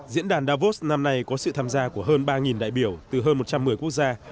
diễn đàn davos năm nay có sự tham gia của hơn ba đại biểu từ hơn một trăm một mươi quốc gia